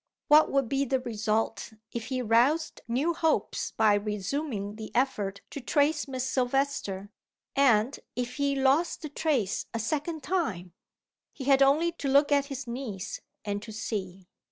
What would be the result if he roused new hopes by resuming the effort to trace Miss Silvester, and if he lost the trace a second time? He had only to look at his niece and to see.